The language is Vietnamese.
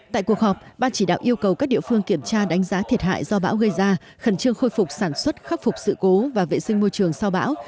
tại cuộc họp ban chỉ đạo yêu cầu các địa phương kiểm tra đánh giá thiệt hại do bão gây ra khẩn trương khôi phục sản xuất khắc phục sự cố và vệ sinh môi trường sau bão